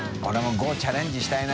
兇５チャレンジしたいな。